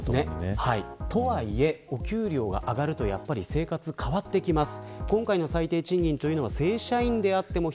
とはいえ、お給料が上がると生活は変わってきます。